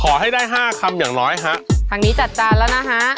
ขอให้ได้ห้าคำอย่างน้อยฮะทางนี้จัดจานแล้วนะฮะ